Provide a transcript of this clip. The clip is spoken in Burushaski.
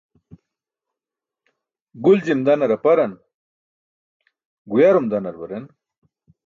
Guljim danar aparan, guyarum danar baren.